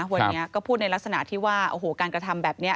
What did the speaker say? วันนี้ก็พูดในลักษณะที่ว่าโอ้โหการกระทำแบบนี้